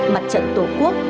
mặt trận tổ quốc